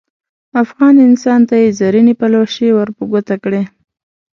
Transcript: افغان انسان ته یې زرینې پلوشې ور په ګوته کړې.